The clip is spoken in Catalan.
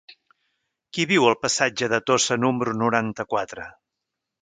Qui viu al passatge de Tossa número noranta-quatre?